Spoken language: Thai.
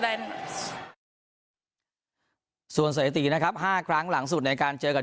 แนนส่วนสถิตินะครับห้าครั้งหลังสุดในการเจอกับ